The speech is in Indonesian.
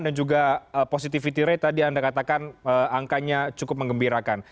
dan juga positivity rate tadi anda katakan angkanya cukup mengembirakan